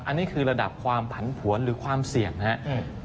อันนี้คือระดับความผันผวนหรือความเสี่ยงนะครับ